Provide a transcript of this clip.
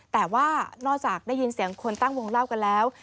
แต่ว่านอกจากได้ยินเสียงคนตั้งวงเล่ากันแล้ว